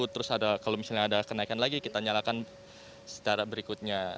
terus kalau misalnya ada kenaikan lagi kita nyalakan secara berikutnya